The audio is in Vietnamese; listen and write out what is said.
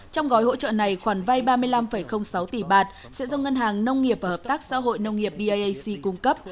trong gói hỗ trợ này khoản vay ba mươi năm sáu tỷ bạt sẽ do ngân hàng nông nghiệp và hợp tác xã hội nông nghiệp bac cung cấp